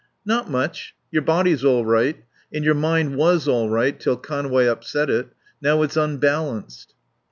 "Not much. Your body's all right. And your mind was all right till Conway upset it. Now it's unbalanced."